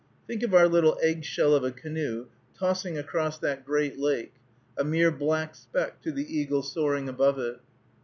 Think of our little eggshell of a canoe tossing across that great lake, a mere black speck to the eagle soaring above it!